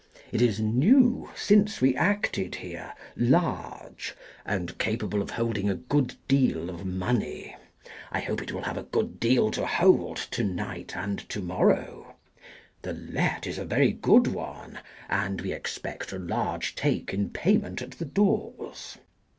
It is new since we acted here — large — and capable of holding a good deal of money. I hope it will have a good deal to hold, tonight and tomorrow. The Let is a very good one, and we expect a large Take in payment at the doors.